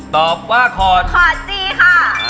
ตอบว่าขอดขอดจี้ค่ะ